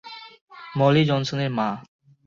মলি জনসনের মা।